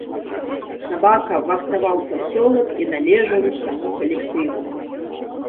Сабака вартаваў пасёлак і належаў усяму калектыву.